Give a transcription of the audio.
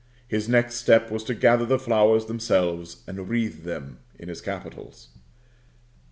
His next step was to gather the flowers themselves, and wreathe them in his capitals.